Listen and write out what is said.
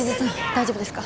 大丈夫ですか？